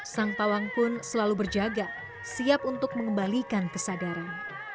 sang pawang pun selalu berjaga siap untuk mengembalikan kesadaran